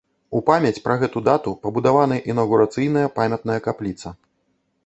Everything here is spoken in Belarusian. У памяць пра гэту дату пабудавана інаўгурацыйная памятная капліца.